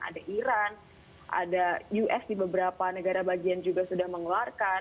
ada iran ada us di beberapa negara bagian juga sudah mengeluarkan